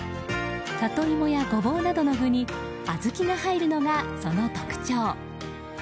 サトイモやゴボウなどの具に小豆が入るのがその特徴。